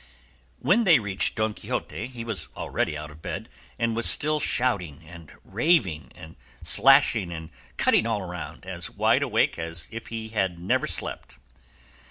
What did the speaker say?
When they reached Don Quixote he was already out of bed, and was still shouting and raving, and slashing and cutting all round, as wide awake as if he had never slept.